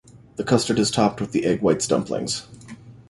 The custard is topped with the egg whites dumplings.